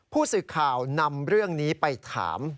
ผู้สื่อข่าวนำเรื่องนี้ไปถาม